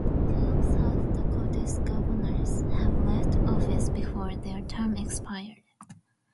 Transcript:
Two of South Dakota's governors have left office before their term expired.